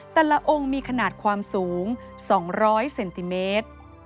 แต่ละองค์มีขนาดความสูง๒๐๐เซนติเมตร